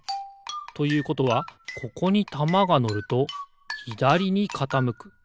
ということはここにたまがのるとひだりにかたむく。